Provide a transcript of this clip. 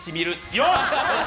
よし！